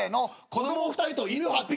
子供２人と犬８匹。